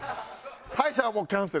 歯医者はもうキャンセル。